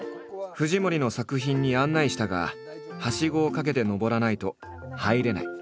藤森の作品に案内したがはしごをかけて登らないと入れない。